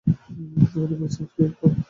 আরে, বেঁচে আছো কিভাবে?